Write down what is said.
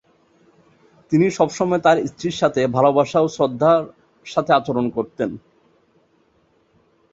তিনি সবসময় তার স্ত্রীর সাথে ভালোবাসা ও শ্রদ্ধার সাথে আচরণ করতেন।